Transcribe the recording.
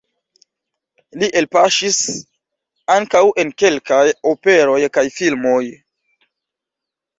Li elpaŝis ankaŭ en kelkaj operoj kaj filmoj.